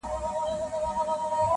چي به شپه ورباندي تېره ورځ به شپه سوه-